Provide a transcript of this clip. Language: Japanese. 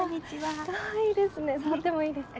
かわいいですね触ってもいいですか？